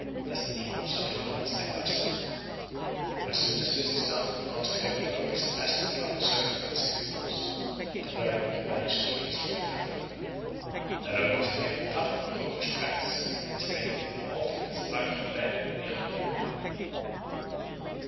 Thus the demons are driven out step by step. As soon as this is done a consecrated rope is fastened round the circuit of the city walls to prevent the banished demons from returning. The rope is made of tough couch grass and is painted in alternate stripes of red, yellow, and blue.